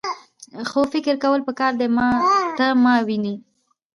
خو فکر کول پکار دي . ته ماوینې؟